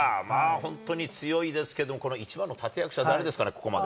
本当に強いですけども、この一番の立て役者誰ですかね、ここまで。